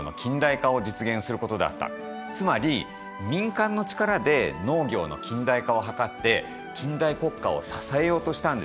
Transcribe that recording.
つまり民間の力で農業の近代化を図って近代国家を支えようとしたんです。